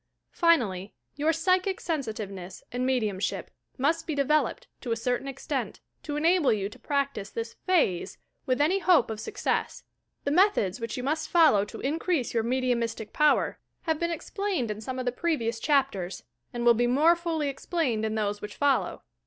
Finally, your psychic sensitiveness and me diumship must be developed, to a certain extent, to enable you to practice this "phase" with any hope of success. The methods which you must follow to increase your mediumistic power have been explained in some of the SPIRITUAL HEALING 163 previous chapters, and will be more fully explained in those which follow.